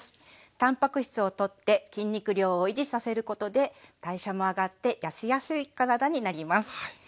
たんぱく質をとって筋肉量を維持させることで代謝も上がって痩せやすい体になります。